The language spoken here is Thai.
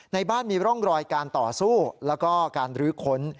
ในบ้านมีร่องรอยการต่อสู้แล้วก็การรื้อค้น